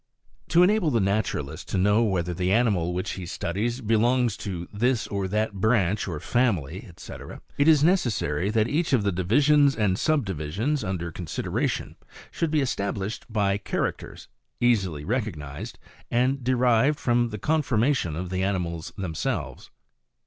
To enable the naturalist to know whether the animal which he studies, belongs to this or that branch or family, &c., it is necessary that each of the divisions and sub divisions, under consideration, should be established by characters, easily recog nised, and derived from the conformation of the animals themselves.